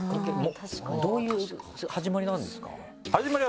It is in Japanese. どういう始まりなんですか？